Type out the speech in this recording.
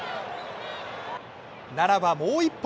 ならばもう１本。